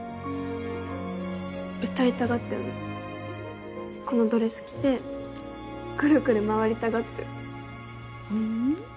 歌いたがってるのこのドレス着てクルクル回りたがってるうん？